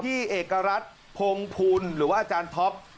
เอกรัฐพงภูลหรือว่าอาจารย์ท็อป